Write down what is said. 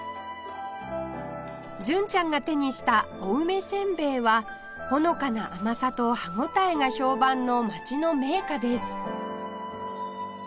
純ちゃんが手にした青梅せんべいはほのかな甘さと歯応えが評判の街の銘菓です